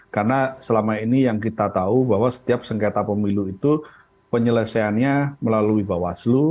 karena selama ini yang kita tahu bahwa setiap sengketa pemilu itu penyelesaiannya melalui bawaslu